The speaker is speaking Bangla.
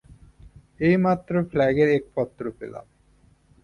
এইমাত্র ফ্ল্যাগের এক পত্র পেলাম।